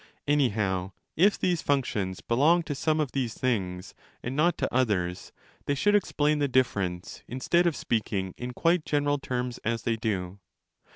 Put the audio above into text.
4 Any how if these functions belong to some of these things and not to others, they should explain the difference, instead of speaking in quite general terms as they do.